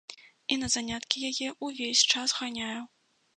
І на заняткі яе ўвесь час ганяю.